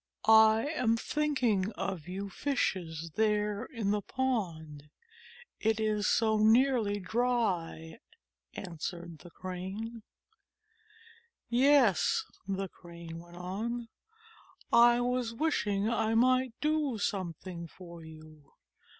"I am thinking about you Fishes there in the pond. It is so nearly dry," answered the Crane. 'Yes," the Crane went on, "I was wishing I might do something for you.